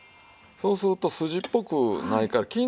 そうすると筋っぽくないから。